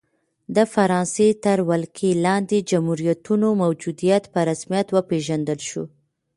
د فرانسې تر ولکې لاندې جمهوریتونو موجودیت په رسمیت وپېژندل شو.